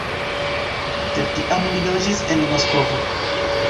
De tiam li loĝis en Moskvo.